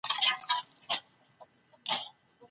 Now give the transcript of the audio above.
که په ناخبرۍ کي ناوړه مجلس ته ورسئ څه وکړئ؟